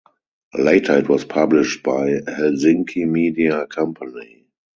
Later it was published by Helsinki Media Company.